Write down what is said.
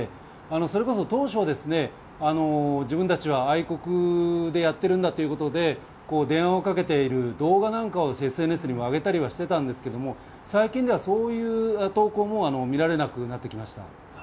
それこそ当初、自分たちは愛国でやってるんだということで電話をかけている動画なんかをＳＮＳに上げたりはしていたんですけれども、最近ではそういう動向も見られなくなってきました。